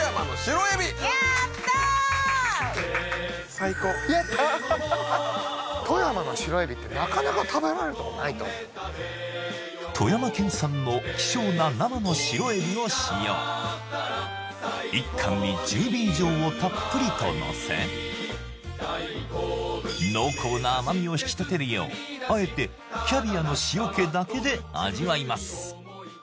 最高やった富山の白えびってなかなか食べられるとこないと思う富山県産の希少な生の白えびを使用１貫に１０尾以上をたっぷりとのせ濃厚な甘みを引き立てるようあえてキャビアの塩気だけで味わいます